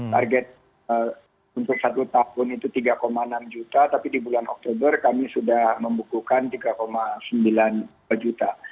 target untuk satu tahun itu tiga enam juta tapi di bulan oktober kami sudah membukukan tiga sembilan juta